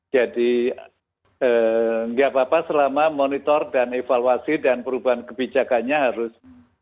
nggak apa apa selama monitor dan evaluasi dan perubahan kebijakannya harus